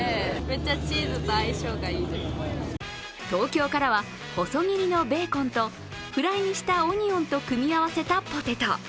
東京からは細切りのベーコンとフライにしたオニオンと組み合わせたポテト。